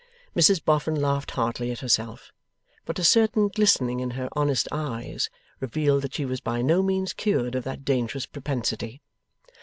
Mrs Boffin laughed heartily at herself; but a certain glistening in her honest eyes revealed that she was by no means cured of that dangerous propensity.